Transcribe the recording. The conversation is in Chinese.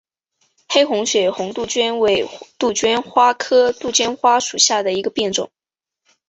黑红血红杜鹃为杜鹃花科杜鹃花属下的一个变种。